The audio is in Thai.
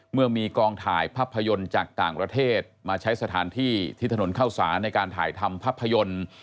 เมื่อมีกองถ่ายภาพยนตร์จากต่างประเทศมาใช้สถานที่ที่ถนนเข้าสารในการถ่ายทำภาพยนตร์